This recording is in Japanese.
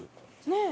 ねえ。